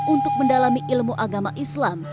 untuk mendalami ilmu agama islam